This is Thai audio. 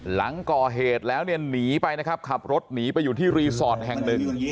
หลังก่อเหตุแล้วขับรถหนีไปอยู่ที่รีสอร์ทแห่งหนึ่ง